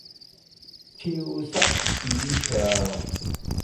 跳蚤市場